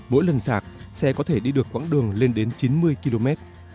mỗi lần sạc xe có thể đi được quãng đường lên đến chín mươi km